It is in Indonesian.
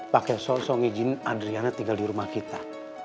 pakai sosok ngijin adriana tinggal di rumah kita